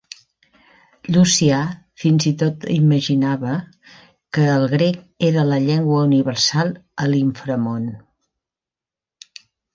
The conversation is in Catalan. Llucià fins i tot imaginava que el grec era la llengua universal a l'Inframón.